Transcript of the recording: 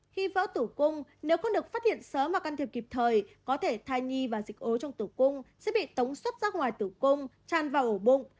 khi vỡ tủ cung nếu không được phát hiện sớm và can thiệp kịp thời có thể thai nhi và dịch ố trong tủ cung sẽ bị tống xuất ra ngoài tủ cung tràn vào ổ bụng